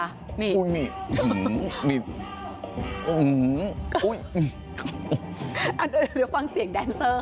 อันนั้นหรือฟังเสียงแดนเซอร์ค่ะ